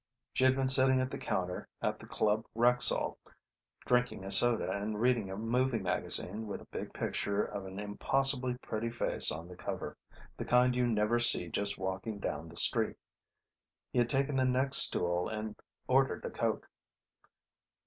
She had been sitting at the counter at the Club Rexall, drinking a soda and reading a movie magazine with a big picture of an impossibly pretty face on the cover the kind you never see just walking down the street. He had taken the next stool and ordered a coke.